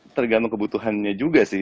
tergantung kebutuhannya juga sih